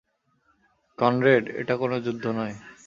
Conrad, এটা কোনো যুদ্ধ নয়!